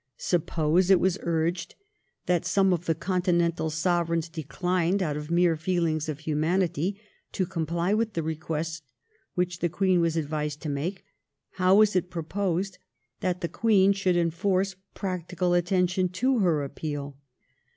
Suppose, it was urged, that some of the Continental Sovereigns declined, out of mere feelings of humanity, to comply with the request which the Queen was advised to make, how was it proposed that the Queen should enforce practical attention to her appeal